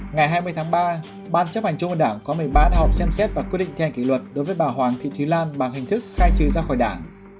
ngày hai mươi tháng ba ban chấp hành chung với đảng có một mươi ba hợp xem xét và quy định theo hành kỷ luật đối với bà hoàng thị thúy lan bằng hình thức khai trừ ra khỏi đảng